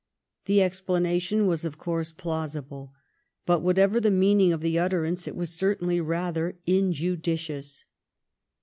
The explanation was, of course, plausible; but whatever the meaning of the utterance, it was certainly rather injudicious.